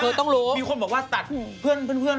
เคยต้องรู้บอกว่าตัดเพื่อน